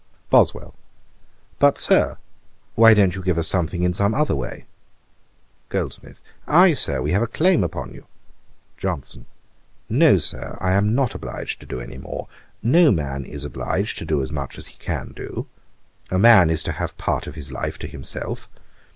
BOSWELL. 'But, Sir, why don't you give us something in some other way?' GOLDSMITH. 'Ay, Sir, we have a claim upon you.' JOHNSON. 'No, Sir, I am not obliged to do any more. No man is obliged to do as much as he can do. A man is to have part of his life to himself.